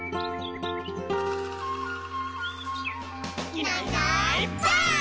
「いないいないばあっ！」